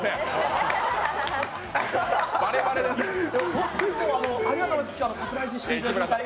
本当に今日はありがとうございます、サプライズしていただいて。